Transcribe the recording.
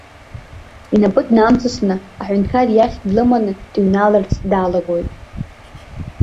Инапы днамҵасны, аҳәынҭқар иахь длыманы дыҩналарц далагоит.